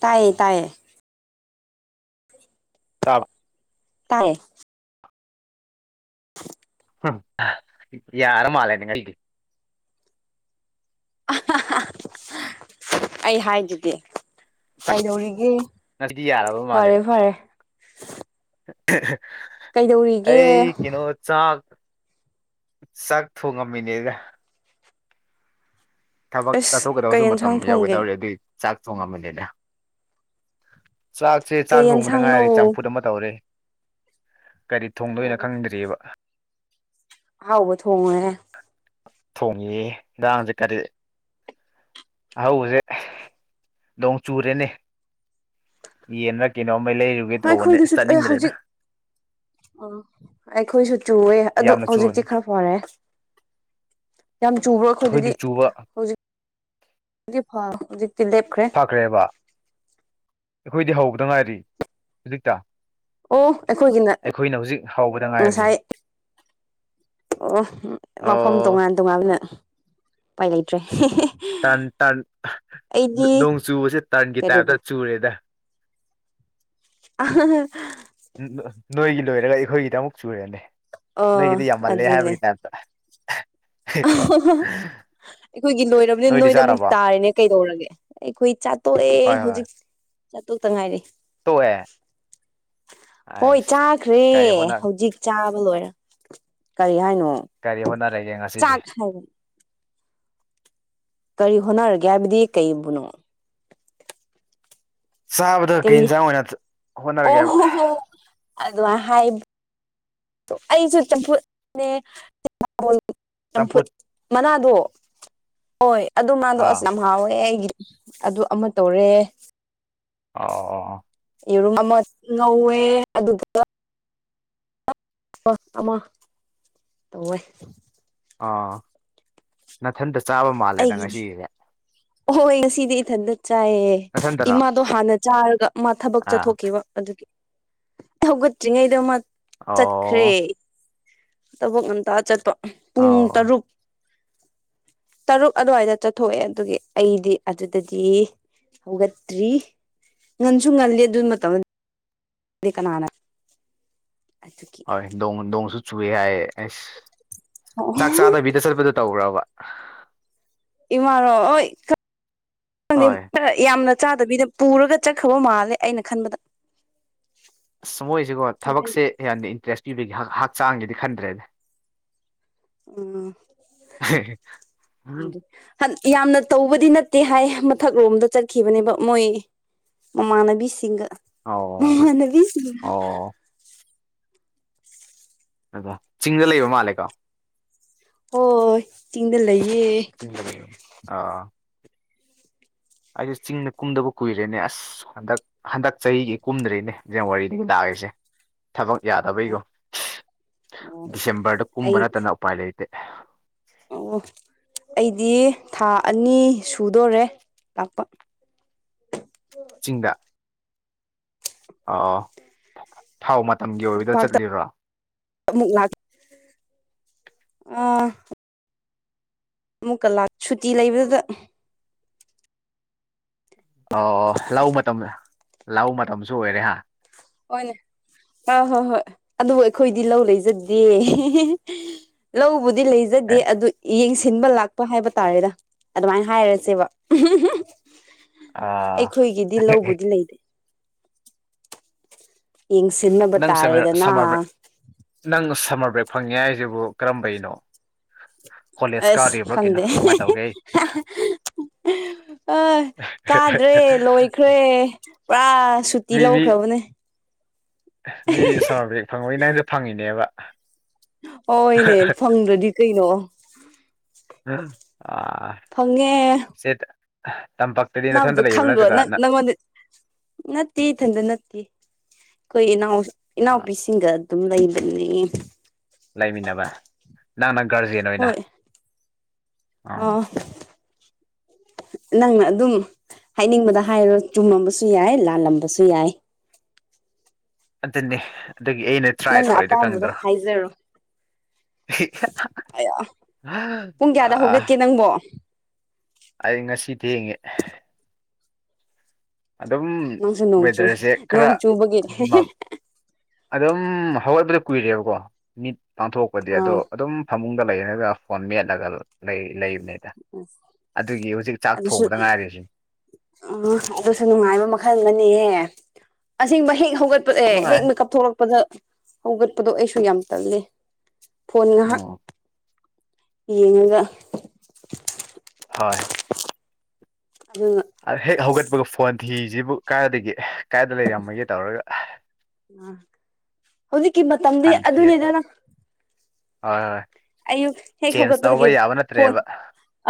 ꯇꯥꯏꯌꯦ ꯇꯥꯏꯌꯦ ꯇꯥ ꯇꯥꯏꯌꯦ [inaudible] ꯎꯝ ꯌꯥꯔ ꯃꯥꯜꯂꯦ ꯉꯁꯤꯗꯤ ꯑꯩ ꯍꯥꯏꯗꯨꯗꯤ ꯀꯩꯗꯧꯔꯤꯒꯦ ꯅꯪꯗꯤ ꯌꯥꯔꯕ ꯃꯥꯜꯂꯦ ꯐꯔꯦ ꯐꯔꯦ ꯀꯩꯗꯧꯔꯤꯒꯦ ꯑꯩ ꯀꯩꯅꯣ ꯆꯥꯛ ꯆꯥꯛ ꯊꯣꯡꯉꯝꯃꯤꯅꯦꯒ ꯊꯕꯛ ꯑꯁ ꯀꯩ ꯆꯠꯊꯣꯛꯀꯗꯕꯁꯨ ꯃꯇꯝ ꯌꯦꯟꯁꯥꯡ ꯊꯣꯡꯒꯦ ꯌꯧꯒꯗꯧꯔꯦ ꯑꯗꯨꯏ ꯆꯥꯛ ꯊꯣꯡꯉꯝꯕꯅꯤꯗ ꯆꯥꯛꯁꯦ ꯆꯥꯛ ꯀꯩ ꯊꯣꯡꯕꯗ ꯌꯦꯟꯁꯥꯡꯅꯣ ꯉꯥꯏꯔꯦ ꯆꯝꯐꯨꯠ ꯑꯃ ꯇꯧꯔꯦ ꯀꯔꯤ ꯊꯣꯡꯗꯣꯔ ꯑꯣ ꯈꯪꯗ꯭ꯔꯤꯑꯕ ꯑꯍꯥꯎꯕ ꯊꯣꯡꯉꯣꯍꯦ ꯊꯣꯡꯉꯤꯌꯦ ꯑꯟꯁꯥꯡꯁꯦ ꯀꯔꯤ ꯑꯍꯧꯕꯁꯦ ꯅꯣꯡ ꯆꯨꯔꯦꯅꯦ ꯌꯦꯟꯅ ꯀꯩꯅꯣꯝꯃ ꯂꯩꯔꯨ ꯍꯣꯏ ꯑꯩꯈꯣꯏꯗꯨꯁꯨ ꯑ ꯍꯧꯖꯤꯛ ꯑꯣ ꯑꯩꯈꯣꯏꯁꯨ ꯆꯨꯋꯦ ꯑꯗꯣ ꯌꯥꯝꯅ ꯆꯨꯔꯦ ꯍꯧꯖꯤꯛꯇꯤ ꯈꯔ ꯐꯔꯦ ꯌꯥꯝ ꯆꯨꯕ꯭ꯔꯣ ꯑꯩꯈꯣꯏꯗꯗꯤ ꯑꯩꯈꯣꯏꯗꯤ ꯆꯨꯕ ꯍꯧꯖꯤꯛ ꯍꯧꯖꯤꯛꯇꯤ ꯂꯦꯞꯈ꯭ꯔꯦ ꯀ꯭ꯔꯦꯕ ꯑꯩꯈꯣꯏꯗꯤ ꯍꯧꯕꯇꯥ ꯉꯥꯏꯔꯤ ꯍꯨꯖꯤꯛꯇꯥ ꯑꯣ ꯑꯩꯈꯣꯏꯒꯤꯅ ꯍꯧꯖꯤꯛ ꯍꯧꯕꯗ ꯉꯥꯏꯔꯤ ꯉꯁꯥꯏ ꯑꯣ ꯃꯐꯝ ꯑꯣ ꯇꯣꯉꯥꯟ ꯇꯣꯉꯥꯟꯕꯅ ꯎꯄꯥꯏ ꯂꯩꯇ꯭ꯔꯦ ꯇꯟ ꯇꯟ ꯑꯩꯗꯤ ꯅꯣꯡ ꯆꯨꯕꯁꯦ ꯇꯟꯒꯤ ꯀꯔꯤꯕꯣ ꯇꯥꯏꯞꯇꯥ ꯆꯨꯔꯦꯗ [unintelligible] ꯅꯣ ꯅꯣꯏꯒꯤ ꯂꯣꯏꯔꯒ ꯑꯩꯈꯣꯏꯒꯤꯗ ꯑꯃꯨꯛ ꯆꯨꯔꯦꯅꯦ ꯑ ꯅꯣꯏꯒꯤꯗꯤ ꯌꯥꯝꯃꯜꯂꯦ ꯑꯗꯨꯅꯦ ꯍꯥꯏꯕꯒꯤ ꯇꯥꯏꯞꯇꯥ ꯍꯥ ꯑꯩꯈꯣꯏꯒꯤ ꯂꯣꯏꯔꯕꯅꯤꯅ ꯅꯣꯏꯗꯥ ꯑꯃꯨꯛ ꯇꯥꯔꯦꯅꯦ ꯀꯩꯗꯧꯔꯒꯦ ꯑꯩꯈꯣꯏ ꯆꯥꯇꯣꯛꯑꯦ ꯍꯣꯏ ꯍꯧꯖꯤꯛ ꯆꯥꯇꯣꯛꯇꯥ ꯉꯥꯏꯔꯤ ꯇꯣꯛ ꯑꯦ ꯍꯣꯏ ꯆꯥꯈ꯭ꯔꯦ ꯀꯔꯤ ꯍꯣꯠꯅ ꯍꯧꯖꯤꯛ ꯆꯥꯕ ꯂꯣꯏꯔ ꯀꯔꯤ ꯍꯥꯏꯅꯣ ꯀꯔꯤ ꯍꯣꯠꯅꯔꯒꯦ ꯉꯁꯤꯗꯤ [unintelligible] ꯀꯔꯤ ꯍꯣꯠꯅꯔꯒꯦ ꯍꯥꯏꯕꯗꯤ ꯀꯩꯕꯨꯅꯣ ꯆꯥꯕꯗ ꯀꯩ ꯀꯔꯤ ꯍꯤꯟꯖꯥꯡ ꯑꯣꯏꯅ ꯆꯥ ꯑꯣ ꯍꯣꯠꯅꯔꯒꯦꯕ ꯍꯣ ꯍꯣ ꯑꯗꯨꯃꯥꯏ ꯍꯥꯏꯞ ꯇꯣ ꯑꯩꯁꯨ ꯆꯝꯐꯨꯠ ꯅꯦ [unintelligible] ꯆꯝꯐꯨꯠ ꯃꯅꯥꯗꯣ ꯍꯣꯏ ꯑꯗꯨ ꯃꯥꯗꯣ ꯑꯁ ꯑꯥ ꯌꯥꯝ ꯍꯥꯎꯋꯦ ꯑꯩꯒꯤ ꯑꯗꯨ ꯑꯃ ꯇꯧꯔꯦ [unintelligible] ꯌꯦꯔꯨꯝ ꯑꯃ ꯉꯧꯋꯦ ꯑꯗꯨ ꯗꯨꯒꯥ [unintelligible] ꯑꯃ ꯇꯧꯋꯦ ꯑꯥ ꯅꯥꯊꯟꯇꯥ ꯆꯥꯕ ꯃꯥꯜꯂꯦꯗ ꯉꯁꯤꯒꯤꯗꯤ ꯑꯣꯍꯣꯏ ꯉꯁꯤꯗꯤ ꯏꯊꯟꯗꯥ ꯆꯥꯏꯌꯦ ꯅꯥꯊꯟꯇꯔꯣ ꯏꯃꯥꯗꯣ ꯍꯥꯟꯅ ꯆꯥꯔꯒ ꯃꯥ ꯊꯕꯛ ꯑꯥ ꯆꯠꯊꯣꯛꯈꯤꯕ ꯑꯗꯨꯒꯤ ꯍꯧꯒꯠꯇ꯭ꯔꯤꯉꯩꯗ ꯃꯥꯠ ꯆꯠꯈ꯭ꯔꯦ ꯑꯣ ꯇꯥꯕꯛ ꯉꯟꯇꯥ ꯆꯠꯄ ꯄꯨꯡ ꯑꯧ ꯇꯔꯨꯛ [inaudible] ꯇꯔꯨꯛ ꯑꯗ꯭ꯋꯥꯏꯗꯥ ꯆꯠꯊꯣꯛꯑꯦ ꯑꯗꯨꯒꯤ ꯑꯩꯗꯤ ꯑꯗꯨꯗꯒꯤ ꯍꯧꯒꯠꯇ꯭ꯔꯤ ꯉꯟꯁꯨ ꯉꯜꯂꯤ ꯑꯗꯨ ꯃꯇꯝ ꯗꯤ ꯀꯅꯥꯅ ꯑꯗꯨꯀꯤ ꯍꯣꯏ ꯅꯣꯡ ꯅꯣꯡꯁꯨ ꯆꯨꯋꯦ ꯍꯥꯏꯌꯦ ꯑꯩꯁ ꯆꯥꯛ ꯆꯥꯗꯕꯤ ꯗꯦꯆꯠꯄꯗ ꯇꯧꯕ꯭ꯔꯥꯕ ꯏꯃꯥꯔꯣ ꯑꯣꯏ ꯈꯪ ꯈꯪꯗꯦ ꯍꯣꯏ ꯈꯔ ꯌꯥꯝꯅ ꯆꯥꯗꯕꯤꯗ ꯄꯨꯔꯒ ꯆꯠꯈꯕ ꯃꯥꯜꯂꯦ ꯑꯩꯅ ꯈꯟꯕꯗ ꯑꯁ ꯃꯣꯏꯁꯦꯀꯣ ꯍꯣꯔꯦꯟ ꯊꯕꯛꯁꯦ ꯌꯥꯟꯗ ꯏꯟꯇ꯭ꯔꯦꯁ ꯄꯤꯕꯒꯤ ꯍꯛ ꯍꯛꯆꯥꯡꯒꯤꯗꯤ ꯈꯟꯗ꯭ꯔꯦꯅꯦ ꯑꯣ [unintelligible] ꯍꯟ ꯌꯥꯝꯅ ꯇꯧꯕꯗꯤ ꯅꯠꯇꯦ ꯍꯥꯏ ꯃꯊꯛꯂꯣꯝꯗꯥ ꯆꯠꯈꯤꯕꯅꯦꯕ ꯃꯣꯏ ꯃꯃꯥꯟꯅꯕꯤꯁꯤꯡꯒꯥ ꯑꯣ ꯃꯃꯥꯅꯕꯤꯁꯤꯡꯍꯥ ꯑꯣ ꯗꯨꯒꯥ ꯆꯤꯡꯗ ꯂꯩꯕ ꯃꯥꯜꯂꯦꯀꯣ ꯍꯣꯏ ꯆꯤꯡꯗ ꯂꯩꯌꯦ ꯆꯤꯡꯗꯥ ꯂꯩ ꯑꯥ ꯑꯩꯖꯦ ꯆꯤꯡꯗ ꯀꯨꯝꯗꯕ ꯀꯨꯏꯔꯦꯅꯦ ꯑꯁ ꯍꯟꯗꯛ ꯍꯟꯗꯛ ꯆꯍꯤꯒꯤ ꯀꯨꯝꯗ꯭ꯔꯤꯅꯦ ꯖꯟꯋꯥꯔꯤꯗꯒꯤ ꯅꯥꯔꯔꯤꯁꯦ ꯊꯕꯛ ꯌꯥꯗꯕꯩꯒꯣ ꯑꯣ ꯗꯤꯁꯦꯝꯕꯔꯗꯥ ꯀꯨꯝꯕ ꯑꯩ ꯅꯠꯇꯅ ꯎꯄꯥꯏ ꯂꯩꯇꯦ ꯑꯣ ꯑꯩꯗꯤ ꯊꯥ ꯑꯅꯤ ꯁꯨꯗꯣꯔꯦ ꯂꯥꯛꯄ ꯆꯤꯡꯗ ꯑꯥꯎ ꯊꯥꯎ ꯃꯇꯝꯒꯤ ꯑꯣꯏꯕꯗ ꯇꯝꯄꯥꯛꯇ ꯆꯠꯂꯤꯔꯣ ꯑꯃꯨꯛ ꯂꯥꯛ ꯑꯥ ꯑꯃꯨꯛꯀꯂꯥꯛ ꯁꯨꯇꯤ ꯂꯩꯕꯗꯨꯗ ꯑꯣ ꯑꯣ ꯂꯥꯎ ꯃꯇꯝ ꯂꯥꯎ ꯃꯇꯝꯁꯨ ꯑꯣꯏꯔꯦ ꯍꯥ ꯍꯣꯢꯅꯦ ꯑꯥ ꯍꯣ ꯍꯣꯏ ꯑꯗꯨꯕꯨ ꯑꯩꯈꯣꯏꯗꯤ ꯂꯧ ꯂꯩꯖꯗꯦ [unintelligible] ꯂꯧꯕꯨꯗꯤ ꯂꯩꯖꯗꯦ ꯑꯦ ꯑꯗꯨ ꯌꯦꯡꯁꯤꯟꯕ ꯂꯥꯛ ꯄ ꯍꯥꯏꯕ ꯇꯥꯔꯦꯗ ꯑꯗꯨꯃꯥꯏꯅ ꯍꯥꯏꯔꯖꯦꯕ [unintelligible] ꯑ ꯑꯩꯈꯣꯏꯒꯤꯗꯤ ꯂꯧꯕꯨꯗꯤ ꯂꯩꯇꯦ ꯌꯦꯡꯁꯤꯟꯅꯕ ꯇꯥꯔꯦꯗꯅ ꯅꯪꯅ ꯁꯝꯃꯔ ꯕꯔꯦꯛ ꯐꯪꯉꯦ ꯍꯥꯏꯖꯤꯕꯨ ꯀꯔꯝꯕꯩꯅꯣ ꯀꯣꯂꯦꯖ ꯑꯁ ꯀꯥꯔꯤꯕ꯭ꯔꯣ ꯀꯩꯅꯣ ꯈꯪꯗꯦ [unintelligible] ꯀꯃꯥꯏꯅ ꯇꯧꯒꯦ [unintelligible] ꯑ ꯀꯥꯗ꯭ꯔꯦ ꯂꯣꯏꯈ꯭ꯔꯦ ꯄꯨꯔꯥ ꯁꯨꯇꯤ ꯃꯤ ꯃꯤ ꯂꯧꯈ꯭ꯔꯕꯅꯦ ꯃꯤ ꯁꯃꯔ ꯕ꯭ꯔꯦꯛ ꯐꯪꯕꯩ ꯅꯪꯖꯨ ꯐꯪꯉꯤꯅꯦꯕ ꯍꯣꯏꯅꯦ ꯐꯪꯗ꯭ꯔꯗꯤ ꯀꯩꯅꯣ ꯑ [unintelligible] ꯐꯪꯉꯦ ꯁꯦ ꯇꯝꯄꯥꯛꯛꯇꯗꯤ ꯅꯥꯕꯗꯣ ꯅꯊꯟꯇ ꯂꯩꯕ꯭ꯔꯥ ꯈꯪꯗ꯭ꯔꯣ ꯅꯠꯇ꯭ꯔꯒ ꯅꯪ ꯅꯪꯉꯣꯟꯗ ꯅꯠꯇꯦ ꯏꯊꯟꯗ ꯅꯠꯇꯦ ꯑꯈꯣꯏ ꯏꯅꯥꯎ ꯑꯥ ꯏꯅꯥꯎꯄꯤꯁꯤꯡꯒ ꯑꯗꯨꯝ ꯂꯩꯕꯅꯦ ꯂꯩꯃꯤꯟꯅꯕ ꯅꯪꯅ ꯒꯥꯔꯖꯤꯌꯟ ꯑꯣꯏꯅ ꯍꯣꯏ ꯑ ꯑꯣ ꯅꯪꯅ ꯑꯗꯨꯝ ꯍꯥꯏꯅꯤꯡꯕꯗ ꯍꯥꯏꯔꯣ ꯆꯨꯝꯃꯝꯕꯁꯨ ꯌꯥꯏ ꯂꯥꯜꯂꯝꯕꯁꯨ ꯌꯥꯏ ꯑꯗꯨꯅꯤ ꯑꯗꯨꯒꯤ ꯑꯩꯅ ꯇ꯭ꯔꯥꯏ ꯅꯪꯅ ꯇꯧꯔꯤꯗꯣ ꯑꯄꯥꯝꯕꯗꯣ ꯀꯪꯗ꯭ꯔꯣ ꯍꯥꯏꯖꯔꯣ ꯑꯌꯥ ꯄꯨꯡ ꯀꯌꯥꯗ ꯍꯧꯒꯠꯀꯦ [unintelligible] ꯅꯪꯕꯣ ꯑꯩ ꯉꯁꯤ ꯊꯦꯡꯉꯦ ꯑꯗꯨꯝ ꯅꯪꯁꯨ ꯅꯣꯡꯆꯨ ꯋꯦꯗꯔꯁꯦ ꯈꯔ ꯅꯣꯡ ꯆꯨꯕꯒꯤ [unintelligible] ꯑꯗꯨꯝ ꯍꯧꯒꯠꯄꯗꯤ ꯀꯨꯏꯔꯦꯕꯀꯣ ꯃꯤꯠ ꯄꯥꯡꯊꯣꯛꯄꯗꯤ ꯑꯗꯣ ꯑꯥ ꯑꯗꯨꯝ ꯐꯃꯨꯡ ꯗ ꯂꯩꯔꯒ ꯐꯣꯟ ꯃꯦꯠꯂꯒ ꯂꯩ ꯂꯩꯕꯅꯦ ꯊꯣꯡꯕꯗ ꯉꯥꯏꯔꯤꯁꯤ [unintelligible] ꯎꯝ ꯑꯗꯨꯁꯨ ꯅꯨꯡꯉꯥꯏꯕ ꯃꯈꯜ ꯑꯃꯅꯤꯍꯦ ꯑꯁꯦꯡꯕ ꯍꯦꯛ ꯍꯧꯒꯠ [unintelligible] ꯍꯦꯛ ꯅꯨꯡꯉꯥꯏ ꯃꯤꯀꯞ ꯊꯣꯔꯛꯄꯗ ꯍꯧꯒꯠꯄꯗꯣ ꯑꯩꯁꯨ ꯌꯥꯝ ꯇꯜꯂꯦ ꯐꯣꯟ ꯉꯥꯍꯥꯛ ꯎꯝ ꯌꯦꯡꯉꯒ ꯍꯣꯏ ꯑꯗꯨꯅ ꯑꯗ ꯍꯦꯛ ꯍꯧꯒꯠꯄꯒ ꯐꯣꯟ ꯊꯤꯖꯤꯕꯨ ꯀꯥꯏꯗꯒꯤ ꯀꯥꯏꯗ ꯂꯩꯔꯝꯃꯒꯦ ꯇꯧꯔꯒ ꯍꯨꯖꯤꯛꯀꯤ ꯃꯇꯝꯗꯤ ꯍꯥꯟꯅ ꯊꯤꯔꯦ ꯑꯗꯨꯅꯤꯗꯅ ꯍꯣꯏ ꯍꯣꯏ ꯑꯌꯨꯛ ꯍꯦꯛ ꯆꯦꯟꯖ ꯇꯧꯕ ꯍꯧꯒꯠꯄꯗꯒꯤ ꯌꯥꯕ ꯐꯣꯟ ꯅꯠꯇ꯭ꯔꯦꯕ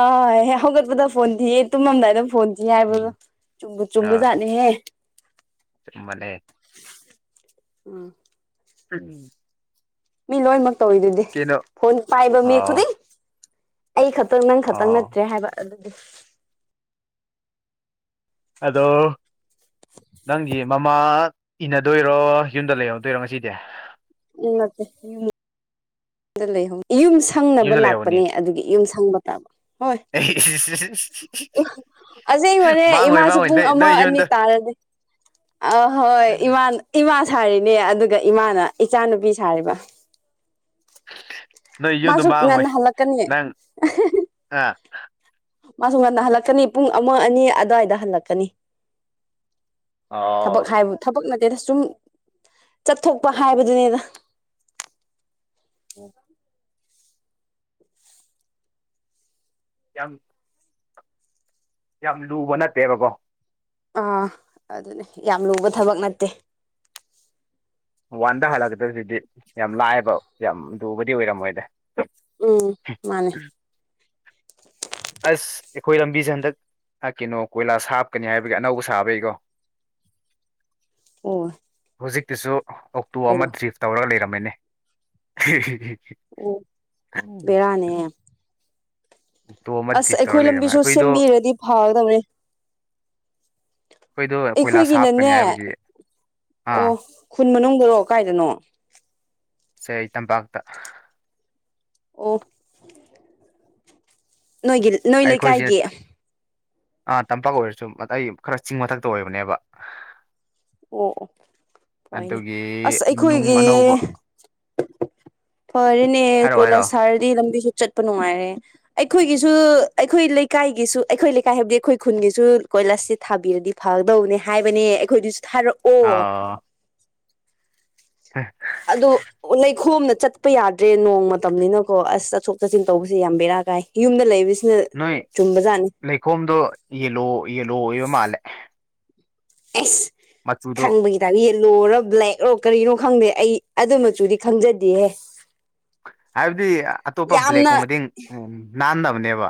ꯑ ꯍꯦꯛ ꯍꯧꯒꯠꯄꯗ ꯐꯣꯟ ꯊꯤꯌꯦ ꯇꯨꯃꯝꯗꯥꯏꯗ ꯐꯣꯟ ꯊꯤꯌꯦ ꯍꯥꯏꯕꯗꯣ ꯎꯝ ꯆꯨꯝꯕꯨ ꯆꯨꯝꯕꯖꯥꯠꯅꯤꯍꯦ ꯑꯆꯨꯝꯕꯅꯦ [unintelligible] ꯑꯪ [unintelligible] ꯃꯤ ꯂꯣꯢꯅꯃꯛ ꯇꯧꯋꯤꯗꯨꯗꯤ ꯀꯩꯅꯣ ꯐꯣꯟ ꯄꯥꯢꯕ ꯃꯤ ꯑꯣ ꯈꯨꯗꯤꯡ ꯑꯩ ꯈꯛꯇꯪ ꯅꯪ ꯈꯛꯇꯪ ꯑꯣ ꯅꯠꯇ꯭ꯔꯦ ꯍꯥꯢꯕ ꯑꯗꯨꯗꯤ ꯍꯜꯂꯣ ꯅꯪꯒꯤ ꯃꯃꯥ ꯏꯟꯅꯗꯣꯢꯔꯣ ꯌꯨꯝꯗ ꯂꯩꯍꯧꯗꯣꯢꯔꯣ ꯉꯁꯤꯗꯤ ꯎꯝ ꯅꯠꯇꯦ [unintelligible] [unintelligible] ꯌꯨꯝꯁꯦ ꯈꯪꯅꯕ ꯌꯨꯝꯗ ꯂꯩꯍꯧꯅꯤ ꯂꯥꯛꯄꯅꯦ ꯑꯗꯨꯒꯤ ꯌꯨꯝ ꯁꯪꯕ ꯇꯥꯕ ꯍꯣꯢ ꯏꯃꯥ ꯑꯁꯦꯡꯕꯅꯦ ꯃꯥꯡꯉꯣꯏ ꯏꯃꯥꯁꯨ ꯃꯥꯡꯉꯣꯏ ꯄꯨꯡ ꯅꯣꯏ ꯑꯃ ꯅꯣꯏ ꯑꯅꯤ ꯌꯨꯝꯗ ꯇꯥꯔꯅꯤ ꯑꯍꯣꯢ ꯏꯃꯥ ꯏꯃꯥ ꯁꯥꯔꯤꯅꯦ ꯑꯗꯨꯒ ꯏꯃꯥꯅ ꯏꯆꯥꯅꯨꯄꯤ ꯁꯥꯔꯤꯕ ꯅꯣꯢ ꯌꯨꯝꯗꯣ ꯃꯥꯁꯨ ꯃꯥꯡꯉꯣꯢ ꯉꯟꯅ ꯍꯜꯂꯛꯀꯅꯤ ꯅꯪ ꯑꯥ ꯃꯥꯁꯨ ꯉꯟꯅ ꯍꯜꯂꯛꯀꯅꯤ ꯄꯨꯡ ꯑꯃ ꯑꯅꯤ ꯑꯗꯥꯢꯗ ꯍꯜꯂꯛꯀꯅꯤ ꯊꯕꯛ ꯑꯣ ꯍꯥꯢꯕꯨ ꯊꯕꯛ ꯅꯠꯇꯦꯗ ꯁꯨꯝ ꯆꯠꯊꯣꯛꯄ ꯍꯥꯢꯕꯗꯨꯅꯤꯗ ꯎꯝ ꯌꯥꯝ ꯌꯥꯝ ꯂꯨꯕ ꯅꯠꯇꯦꯕꯀꯣ ꯑꯥ ꯑꯗꯨꯅꯦ ꯌꯥꯝ ꯂꯨꯕ ꯊꯕꯛ ꯅꯠꯇꯦ ꯋꯥꯟꯗ ꯍꯜꯂꯛꯀꯗꯕꯖꯤꯗꯤ ꯌꯥꯝ ꯂꯥꯢꯕ ꯌꯥꯝ ꯂꯨꯕꯗꯤ ꯑꯣꯢꯔꯝꯃꯣꯢꯗ ꯎꯝ ꯃꯥꯅꯦ ꯑꯁ ꯑꯩꯈꯣꯢ ꯂꯝꯕꯤꯁꯦ ꯍꯟꯗꯛ ꯀꯩꯅꯣ ꯀꯣꯢꯂꯥꯁ ꯍꯥꯞꯀꯅꯤ ꯍꯥꯢꯕꯒꯤ ꯑꯅꯧꯕ ꯁꯥꯕꯩꯀꯣ [inaudible] ꯑꯣ ꯍꯧꯖꯤꯛꯇꯤꯁꯨ ꯑꯣꯛꯇꯣ ꯑꯃ ꯀꯩꯅꯣ ꯗ꯭ꯔꯤꯐ ꯇꯧꯔꯒ ꯂꯩꯔꯝꯃꯦꯅꯦ ꯑꯣ ꯕꯦꯔꯥꯅꯦ ꯍꯦ ꯑꯣꯛꯇꯣ ꯑꯃ ꯑꯁ ꯗ꯭ꯔꯤꯞ ꯇꯧꯔ ꯑꯩꯈꯣꯢ ꯂꯩꯔꯝꯃꯦ ꯂꯝꯕꯤꯁꯨ ꯑꯩꯈꯣꯏꯗꯣ ꯁꯦꯝꯕꯤꯔꯗꯤ ꯐꯥꯒꯗꯕꯅꯦ ꯑꯩꯈꯣꯏꯗꯣ ꯀꯣꯏꯂꯥꯁ ꯍꯥꯞꯀꯅꯤ ꯑꯩꯈꯣꯢꯒꯤꯅꯅꯦ ꯍꯥꯏꯕꯒꯤ ꯑꯥ ꯑꯣ ꯈꯨꯟ ꯃꯅꯨꯡꯗꯔꯣ ꯀꯥꯢꯗꯅꯣ ꯁꯦ ꯇꯝꯄꯥꯛꯇ ꯑꯣ ꯅꯣꯢꯒꯤꯜ ꯑꯩꯈꯣꯢꯁꯦ ꯑꯥ ꯇꯝꯄꯥꯛ ꯑꯣꯢꯔꯁꯨ [unintelligible] ꯈꯔ ꯆꯤꯡ ꯃꯊꯛꯇ ꯑꯣꯢꯕꯅꯦꯕ ꯑꯣ ꯑꯣꯢꯅꯦ ꯑꯗꯨꯒꯤ ꯑꯁ ꯅꯨꯡ ꯑꯩꯈꯣꯢꯒꯤ ꯑꯅꯧꯕ ꯐꯔꯦꯅꯦ ꯍꯥꯏꯔꯛꯑꯣ ꯀꯣꯢꯂꯥꯁ ꯍꯥꯏꯔꯛꯑꯣ ꯊꯥꯔꯗꯤ ꯂꯝꯕꯤꯁꯨ ꯆꯠꯄ ꯅꯨꯡꯉꯥꯢꯔꯦ ꯑꯩꯈꯣꯢꯒꯤꯁꯨ ꯑꯩꯈꯣꯢ ꯂꯩꯀꯥꯢꯒꯤꯁꯨ ꯑꯩꯈꯣꯢ ꯂꯩꯀꯥꯢ ꯍꯥꯢꯕꯗꯤ ꯑꯩꯈꯣꯢ ꯈꯨꯟꯒꯤꯁꯨ ꯀꯣꯢꯂꯥꯁꯁꯤ ꯊꯥꯕꯤꯔꯗꯤ ꯐꯒꯗꯧꯕꯅꯦ ꯍꯥꯢꯕꯅꯦ ꯑꯩꯈꯣꯢꯗꯨꯁꯨ ꯊꯥꯔꯛ ꯑꯥꯎ ꯑꯗꯨ ꯑꯣ ꯂꯩꯈꯣꯝꯅ ꯆꯠꯄ ꯌꯥꯗ꯭ꯔꯦ ꯅꯣꯡ ꯃꯇꯝꯅꯤꯅꯀꯣ ꯑꯁ ꯆꯠꯊꯣꯛ ꯆꯠꯁꯤꯟ ꯇꯧꯕꯁꯦ ꯌꯥꯝ ꯕꯦꯔꯥ ꯀꯥꯢ ꯌꯨꯝꯗ ꯂꯩꯕꯁꯤ ꯁꯤꯅ ꯅꯣꯏ ꯆꯨꯝꯕꯖꯥꯠꯅꯤ ꯂꯩꯈꯣꯝꯗꯣ ꯌꯦꯂꯣ ꯌꯦꯂꯣ ꯑꯣꯢꯕ ꯃꯥꯜꯂꯦ ꯑꯦꯁ ꯃꯆꯨꯗꯣ ꯈꯪꯕꯒꯤ [unintelligible] ꯂꯣꯔ ꯕ꯭ꯂꯦꯛ ꯔꯣ ꯀꯔꯤꯅꯣ ꯈꯪꯗꯦ ꯑꯩ ꯑꯗꯨꯃꯆꯨꯗꯤ ꯈꯪꯖꯗꯦꯍꯦ ꯍꯥꯢꯕꯗꯤ ꯑꯇꯣꯞꯄ ꯌꯥꯝꯅ ꯕ꯭ꯂꯦꯛꯀꯨꯝꯕꯗꯤ ꯅꯥꯟꯗꯕꯅꯦꯕ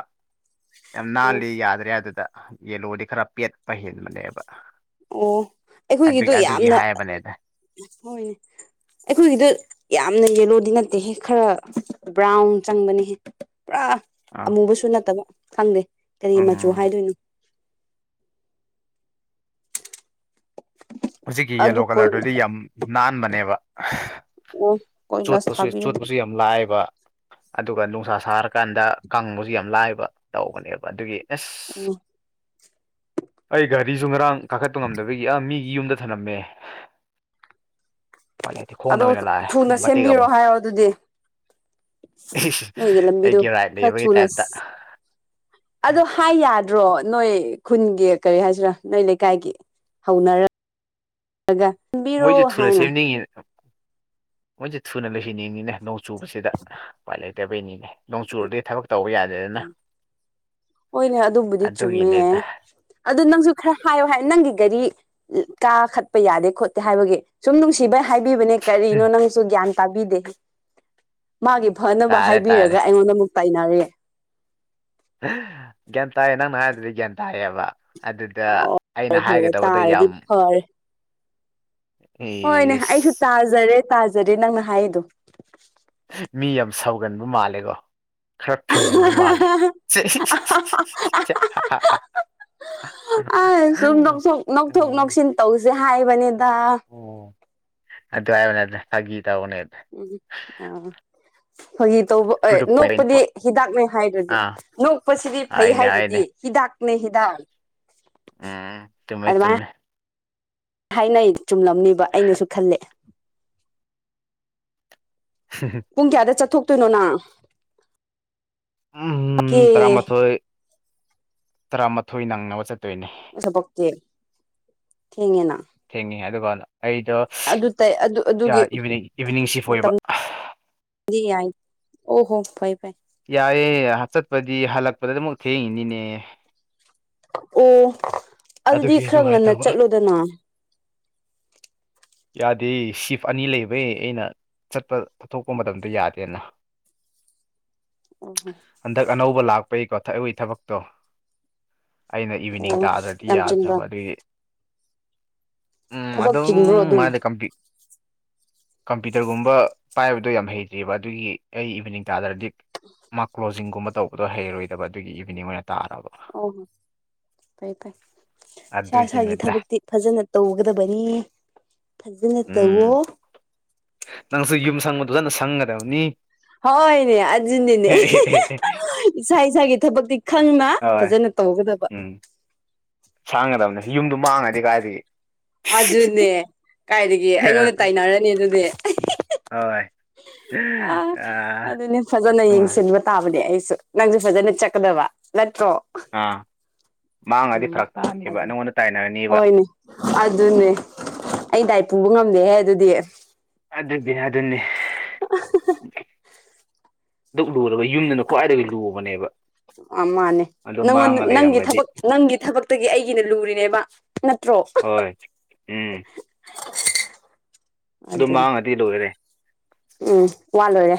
ꯌꯥꯝ ꯎꯝ ꯅꯥꯜꯂꯤ ꯌꯥꯗ꯭ꯔꯦ ꯑꯗꯨꯗ ꯌꯦꯜꯂꯣꯗꯤ ꯈꯔ ꯄꯦꯠꯄ ꯍꯦꯟꯕꯅꯦꯕ ꯑꯣ ꯑꯩꯈꯣꯢꯒꯤꯗꯣ ꯑꯗꯨꯒꯤ ꯑꯗꯨꯒꯤ ꯌꯥꯝꯅ ꯍꯥꯏꯕꯅꯦꯗ ꯍꯣꯢꯅꯦ ꯑꯩꯈꯣꯢꯒꯤꯗꯣ ꯌꯥꯝꯅ ꯌꯦꯂꯣꯗꯤ ꯅꯠꯇꯦꯍꯦ ꯈꯔ ꯕ꯭ꯔꯥꯎꯟ ꯆꯪꯕꯅꯤꯍꯦ ꯄꯨꯔꯥ ꯑꯥꯎ ꯕꯨꯁꯨ ꯅꯠꯇꯕ ꯈꯪꯗꯦ ꯀꯔꯤ ꯃꯆꯨ ꯎꯝ ꯍꯥꯏꯗꯣꯏꯅꯣ ꯍꯧꯖꯤꯛꯀꯤ ꯑꯗꯨ ꯌꯦꯂꯣ ꯀꯣꯏ ꯀꯂ꯭ꯔꯗꯨꯗꯤ ꯌꯥꯝ ꯅꯥꯟꯕꯅꯦꯕ ꯑꯣ ꯀꯣꯏꯂꯥꯁ ꯆꯣꯠꯄꯁꯦ ꯊꯥꯕꯤꯔꯗꯤ ꯆꯣꯠꯄꯁꯨ ꯌꯥꯝ ꯂꯥꯏꯌꯦꯕ ꯑꯗꯨꯒ ꯅꯨꯡꯁꯥ ꯁꯥꯔꯀꯥꯟꯗ ꯀꯪꯕꯁꯨ ꯌꯥꯝ ꯂꯥꯏꯕ ꯇꯧꯕꯅꯦꯕ ꯑꯗꯨꯒꯤ ꯑꯁ ꯑꯣ ꯑꯩ ꯒꯥꯔꯤꯁꯨ ꯉꯔꯥꯡ ꯀꯥꯈꯠꯄ ꯉꯝꯗꯕꯒꯤ ꯑꯥ ꯃꯤꯒꯤ ꯌꯨꯝꯗ ꯊꯅꯝꯃꯦ ꯑꯩꯄꯥꯏ ꯂꯩꯇꯦ ꯈꯣꯡꯅ ꯑꯗꯣ ꯑꯣꯏꯅ ꯂꯥꯛꯑꯦ ꯊꯨꯅ ꯃꯇꯦꯛ ꯁꯦꯝꯕꯤꯔꯣ ꯑꯃ ꯍꯥꯏꯔꯣ ꯑꯗꯨꯗꯤ ꯏꯁ ꯅꯣꯏꯒꯤ ꯂꯝꯕꯤꯗꯨ ꯑꯩꯒꯤ ꯔꯥꯏꯠ ꯈꯔ ꯂꯩꯕꯒꯤ ꯊꯨꯅ ꯇꯥꯏꯞꯇ ꯑꯗꯣ ꯍꯥꯏ ꯌꯥꯗ꯭ꯔꯣ ꯅꯣꯏ ꯈꯨꯟꯒꯤ ꯀꯔꯤ ꯍꯥꯏꯁꯤꯔ ꯅꯣꯏ ꯂꯩꯀꯥꯏꯒꯤ ꯍꯧꯅꯔꯒ ꯈꯟꯕꯤꯔꯣ ꯃꯣꯏꯁꯨ ꯍꯥꯏꯅ [unintelligible] ꯃꯣꯏꯁꯦ ꯊꯨꯅ ꯂꯣꯏꯁꯤꯟꯅꯤꯡꯉꯤꯅꯦ ꯅꯣꯡ ꯆꯨꯕꯁꯤꯗ ꯎꯄꯥꯏ ꯂꯩꯇꯕꯩꯅꯤꯅꯦ ꯅꯣꯡ ꯆꯨꯔꯗꯤ ꯊꯕꯛ ꯇꯧꯕ ꯌꯥꯗꯦ ꯍꯣꯏꯅꯦ ꯑꯗꯨꯕꯨꯗꯤ ꯆꯨꯝꯃꯦ ꯑꯗꯨꯒꯤꯅꯦꯗ ꯑꯗꯨ ꯅꯪꯁꯨ ꯈꯔ ꯍꯥꯏꯌꯣ ꯍꯥꯏ ꯅꯪꯒꯤ ꯒꯥꯔꯤ ꯀꯥꯈꯠꯄ ꯌꯥꯗꯦ ꯈꯣꯠꯇꯦ ꯍꯥꯏꯕꯒꯤ ꯁꯨꯝ ꯅꯨꯡꯁꯤꯕꯩ ꯍꯥꯏꯕꯤꯕꯅꯦ ꯀꯔꯤꯅꯣ ꯎꯝ, ꯅꯪꯁꯨ ꯒ꯭ꯌꯥꯟ ꯇꯥꯕꯤꯗꯦ ꯃꯥꯒꯤ ꯐꯅꯕ ꯇꯥꯔꯦ ꯇꯥꯔꯦ ꯍꯥꯏꯕꯤꯔꯒ ꯑꯩꯉꯣꯟꯗ ꯑꯃꯨꯛ ꯇꯥꯏꯅꯔꯤ ꯒ꯭ꯌꯥꯟ ꯇꯥꯏꯌꯦ ꯅꯪꯅ ꯍꯥꯏꯕꯗꯤ ꯒ꯭ꯌꯥꯟ ꯇꯥꯏꯌꯦꯕ ꯑꯗꯨꯗ ꯑꯣ ꯑꯩꯅ ꯐꯔꯦ ꯐꯔꯦ ꯍꯥꯏꯒꯗꯕꯗꯣ ꯇꯥꯔꯗꯤ ꯌꯥꯝ ꯐꯔꯦ ꯍꯣꯏꯅꯦ ꯑꯩꯁꯨ ꯏꯁ ꯇꯥꯖꯔꯦ ꯇꯥꯖꯔꯦ ꯅꯪꯅ ꯍꯥꯏꯔꯤꯗꯣ ꯃꯤ ꯌꯥꯝ ꯁꯥꯎꯒꯟꯕ ꯃꯥꯜꯂꯦꯀꯣ ꯈꯔ ꯐꯤꯡꯒꯟꯕ ꯃꯥꯜꯂꯦ [unintelligible] ꯑꯁ ꯁꯨꯝ ꯅꯣꯛꯊꯣꯛ ꯅꯣꯛꯊꯣꯛ ꯅꯣꯛꯁꯤꯟ ꯇꯧꯁꯦ ꯍꯥꯏꯕꯅꯤꯗ ꯑꯣ ꯑꯗꯨꯝ ꯍꯥꯏꯕꯅꯦꯗ ꯐꯥꯒꯤ ꯇꯧꯕꯅꯦꯗ ꯎꯝ ꯑ ꯐꯒꯤ ꯇꯧꯕ ꯇꯨ ꯑꯦ ꯗ ꯄꯣꯏꯟ ꯅꯣꯛꯄꯗꯤ ꯍꯤꯗꯥꯛꯅꯦ ꯍꯥꯏꯗ꯭ꯔꯗꯤ ꯑꯥ ꯅꯣꯛꯄꯁꯤꯗꯤ ꯐꯩ ꯍꯥꯏꯅꯦ ꯍꯥꯏꯅꯦ ꯍꯥꯏꯗꯨꯗꯤ ꯍꯤꯗꯥꯥꯛꯅꯦ ꯍꯤꯗꯥꯥꯛ ꯎꯝ ꯆꯨꯝꯃꯦ ꯆꯨꯝꯃꯦ ꯍꯥꯏꯅꯩ ꯆꯨꯝꯂꯝꯅꯤꯕ ꯑꯩꯅꯁꯨ ꯈꯜꯂꯦ [unintelligible] ꯄꯨꯡ ꯀꯌꯥꯗ ꯆꯠꯊꯣꯛꯇꯣꯏꯅꯣ ꯅꯪ ꯀꯦ ꯎꯝ ꯇꯔꯃꯥꯊꯣꯏ ꯇꯔꯃꯥꯊꯣꯏ ꯅꯪꯅꯕ ꯆꯠꯇꯣꯏꯅꯦ ꯊꯕꯛꯇꯤ ꯊꯦꯡꯉꯦꯅꯥ ꯊꯦꯡꯉꯦ ꯑꯗꯨꯒ ꯑꯩꯗꯣ ꯑꯗꯨ ꯇꯩ ꯑꯗꯨ ꯑꯗꯨꯒꯤ ꯏꯚꯤꯅꯤꯡ ꯏꯚꯤꯅꯤꯡ ꯁꯤꯐ ꯃꯇꯝ ꯑꯣꯏꯕ ꯗꯤ ꯌꯥꯢ ꯑꯣꯍꯣ ꯐꯩ ꯐꯩ ꯌꯥꯏꯌꯦ ꯆꯠꯄꯗꯤ ꯍꯜꯂꯛꯄꯗ ꯑꯃꯨꯛ ꯊꯦꯡꯉꯤꯅꯤꯅꯦ ꯑꯣ ꯑꯗꯨꯗꯤ ꯑꯗꯨꯒꯤ ꯈꯔ ꯉꯟꯅ ꯅꯨꯡꯉꯥꯏꯇꯕ ꯆꯠꯂꯨꯗꯅ ꯌꯥꯗꯦ ꯁꯤꯐ ꯑꯅꯤ ꯂꯩꯕꯩ ꯑꯩꯅ ꯆꯠꯄ ꯊꯣꯛꯄ ꯃꯇꯝꯗꯣ ꯌꯥꯗꯦꯅ [inaudible] ꯑꯣ ꯍꯣ ꯍꯟꯗꯛ ꯑꯅꯧꯕ ꯂꯥꯛꯄꯒꯤꯀꯣ ꯊꯕꯛ ꯑꯣꯈꯣꯏ ꯊꯕꯛꯇꯣ ꯑꯩꯅ ꯏꯚꯤꯅꯤꯡ ꯑꯣ ꯇꯥꯗ꯭ꯔꯗꯤ ꯌꯥꯝ ꯆꯤꯟꯕ꯭ꯔꯥ ꯌꯥꯗ꯭ꯔꯕ ꯑꯗꯨꯏꯅꯦ ꯊꯕꯛ ꯑꯗꯨꯝ ꯆꯤꯟꯕ꯭ꯔꯣ ꯑꯗꯨꯝ ꯀꯝꯄꯤ ꯀꯝꯄꯤꯇꯔꯒꯨꯝꯕ ꯄꯥꯏꯕꯗꯣ ꯌꯥꯝ ꯍꯩꯇꯦꯕ ꯑꯗꯨꯒꯤ ꯑꯩ ꯏꯚꯤꯅꯤꯡ ꯇꯥꯗꯔꯗꯤ ꯃꯥ ꯀ꯭ꯂꯣꯖꯤꯡꯒꯨꯝꯕ ꯇꯧꯕꯗꯣ ꯍꯩꯔꯣꯏꯗꯕ ꯑꯗꯨꯒꯤ ꯏꯚꯅꯤꯡ ꯑꯣꯏꯅ ꯇꯥꯔꯕ ꯑꯣꯍꯣ ꯐꯩ ꯐꯩ ꯁꯥ ꯏꯁꯥꯒꯤ ꯑꯗꯨꯒꯤꯅꯤꯗ ꯊꯕꯛꯇꯤ ꯐꯖꯅ ꯇꯧꯒꯗꯕꯅꯤ ꯐꯖꯅ ꯇꯧꯋꯣ ꯎꯝ ꯅꯪꯁꯨ ꯌꯨꯝ ꯁꯪꯕꯗꯨꯗ ꯅꯁꯪꯒꯗꯕꯅꯤ ꯍꯣꯏꯅꯦ ꯑꯗꯨꯅꯤꯅꯦ ꯏꯁꯥ ꯏꯁꯥꯒꯤ ꯊꯕꯛꯇꯤ ꯈꯪꯅ ꯍꯣꯏ ꯐꯖꯅ ꯇꯧꯒꯗꯕ ꯁꯥꯡꯒꯗꯕꯅꯤ ꯌꯨꯝꯗꯣ ꯃꯥꯡꯒꯗꯤ ꯀꯥꯏꯗꯒꯤ ꯑꯗꯨꯅꯦ ꯀꯥꯏꯗꯒꯤ ꯑꯩꯉꯣꯟꯗ ꯇꯥꯏꯅꯔꯅꯤ ꯑꯗꯨꯗꯤ ꯍꯣꯏ ꯑ ꯑ ꯑꯗꯨꯅꯤ ꯐꯖꯅ ꯌꯦꯡꯁꯤꯟꯕ ꯇꯥꯕꯅꯦ ꯑꯩꯁꯨ ꯅꯪꯁꯨ ꯐꯖꯅ ꯆꯛꯀꯗꯕ ꯅꯠꯇ꯭ꯔꯣ ꯑꯥ ꯃꯥꯡꯉꯗꯤ ꯎꯝ ꯐꯔꯛ ꯇꯥꯅꯦꯕ ꯑꯗꯨ ꯅꯪꯉꯣꯟꯗ ꯇꯥꯏꯅꯔꯅꯤꯕ ꯍꯣꯏꯅꯦ ꯑꯗꯨꯅꯦ ꯑꯩ ꯗꯥꯏ ꯄꯨꯕ ꯉꯝꯗꯦꯍꯦ ꯑꯗꯨꯗꯤ ꯑꯗꯨꯗꯤ ꯑꯗꯨꯅꯤ ꯗꯨꯛ ꯂꯨꯔꯒ ꯌꯨꯝꯗꯅ ꯈ꯭ꯋꯥꯏꯗꯒꯤ ꯂꯨꯕꯅꯦꯕ ꯑ ꯃꯥꯅꯦ ꯑꯗꯨ ꯅꯪꯉꯣꯟ ꯃꯥꯡꯉ ꯅꯪꯒꯤ ꯂꯩꯔꯝꯃꯗꯤ ꯊꯕꯛ ꯅꯪꯒꯤ ꯊꯕꯛꯇꯒꯤ ꯑꯩꯒꯤꯅ ꯂꯨꯔꯤꯅꯦꯕ ꯅꯠꯇ꯭ꯔꯣ ꯍꯣꯏ ꯎꯝ [unintelligible] ꯑꯗꯨ ꯑꯗꯨꯅꯦ ꯃꯥꯡꯉꯗꯤ ꯂꯣꯏꯔꯦ ꯎꯝ ꯋꯥ ꯂꯣꯏꯔꯦ